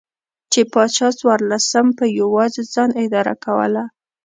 چې پاچا څوارلسم په یوازې ځان اداره کوله.